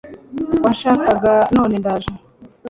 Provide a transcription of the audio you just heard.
Wanshakaga none ndaje